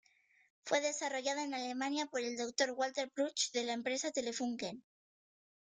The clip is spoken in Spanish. Fue desarrollado en Alemania por el Dr. Walter Bruch de la empresa Telefunken.